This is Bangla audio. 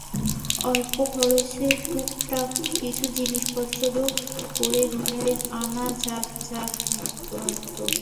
অল্প খরচে টুকটাক কিছু জিনিসপত্র যোগ-বিয়োগ করেই ঘরে আনা যায় নতুনত্ব।